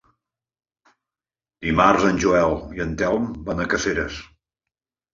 Dimarts en Joel i en Telm van a Caseres.